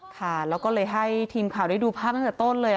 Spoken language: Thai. ค่ะแล้วก็เลยให้ทีมข่าวได้ดูภาพตั้งแต่ต้นเลย